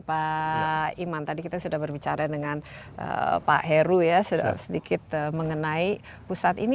pak iman tadi kita sudah berbicara dengan pak heru ya sedikit mengenai pusat ini